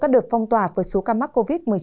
cắt đợt phong tỏa với số ca mắc covid một mươi chín